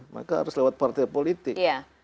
maka harus lewat partai politik